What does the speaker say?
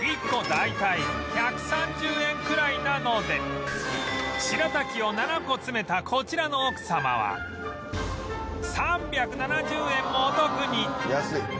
１個大体１３０円くらいなのでしらたきを７個詰めたこちらの奥様は３７０円もお得に！